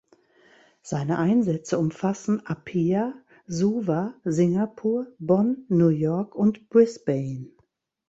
Seine Einsätze umfassen Apia, Suva, Singapur, Bonn, New York und Brisbane.